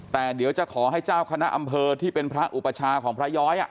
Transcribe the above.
แต่เดี๋ยวจะขอให้เจ้าคณะอำเภอที่เป็นพระอุปชาของพระย้อย